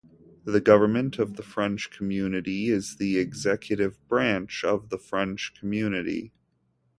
The Government of the French Community is the executive branch of the French Community.